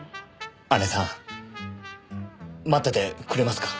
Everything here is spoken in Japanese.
姐さん待っててくれますか？